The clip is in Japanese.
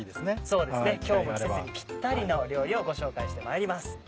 そうですね今日も季節にぴったりの料理をご紹介してまいります。